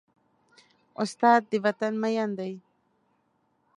استاد د وطن مین دی.